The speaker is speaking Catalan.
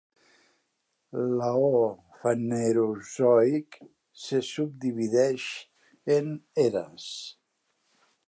L'eó fanerozoic se subdivideix en eres.